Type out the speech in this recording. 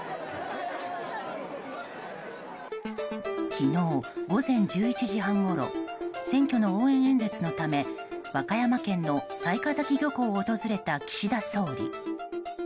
昨日午前１１時半ごろ選挙の応援演説のため和歌山県の雑賀崎漁港を訪れた岸田総理。